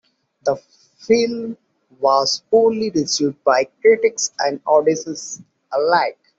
The film was poorly received by critics and audiences alike.